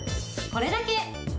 これだけ。